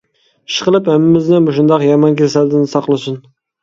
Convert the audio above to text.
ئىشقىلىپ ھەممىمىزنى مۇشۇنداق يامان كېسەلدىن ساقلىسۇن.